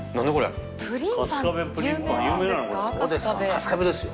春日部ですよ。